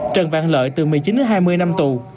trần văn lợi từ một mươi chín đến hai mươi năm tù